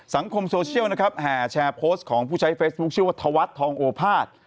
สังคมโซเชียลนะครับแห่แชร์โพสต์ของผู้ใช้เฟซบุ๊คชื่อว่าธวัฒน์ทองโอภาษย์